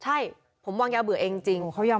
ใช่ผมวางยาเบื่อเองจริง